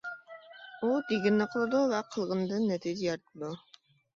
ئۇ دېگىنىنى قىلىدۇ ۋە قىلغىنىدىن نەتىجە يارىتىدۇ.